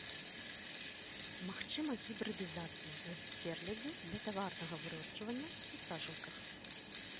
Магчыма гібрыдызацыя з сцерляддзю для таварнага вырошчвання ў сажалках.